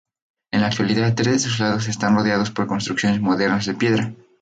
En la actualidad tres de sus lados están rodeados por construcciones modernas de piedra.